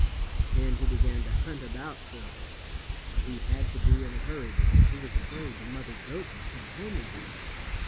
Then he began to hunt about for them, but he had to be in a hurry, because he was afraid the mother goat would come home again.